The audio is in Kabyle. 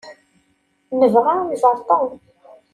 Nebɣa ad nẓer Tom.